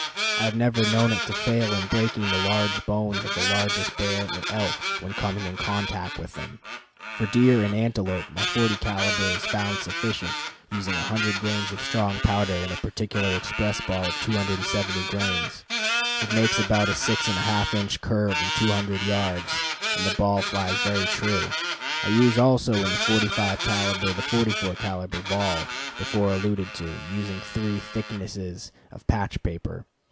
I have never known it to fail in breaking the large bones of the largest bear or elk when coming in contact with them. For deer and antelope my 40 caliber is found sufficient, using 100 grains of strong powder and a particular express ball of 270 grains. It makes about a 6 1/2 inch curve in two hundred yards, and the ball flies very true. I use also in the 45 caliber the 44 caliber ball before alluded to, using three thicknesses of patch paper.